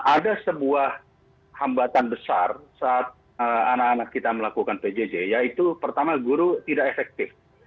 ada sebuah hambatan besar saat anak anak kita melakukan pjj yaitu pertama guru tidak efektif